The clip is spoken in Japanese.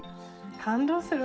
感動するわ。